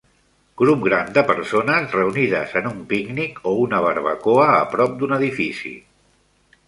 Grup gran de persones reunides en un pícnic o una barbacoa a prop d'un edifici.